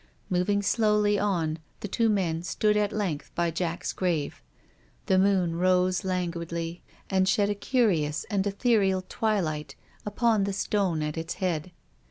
Moving slowly on, the two men stood at length by Jack's grave. The moon rose languidly, and shed a curious and ethereal twilight upon the stone at its head.